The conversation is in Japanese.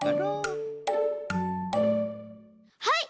はい！